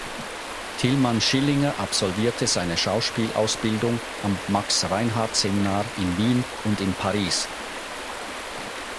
Tilmann Schillinger absolvierte seine Schauspielausbildung am Max Reinhardt Seminar in Wien und in Paris.